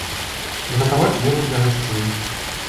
Згатаваць ежу для гасцей.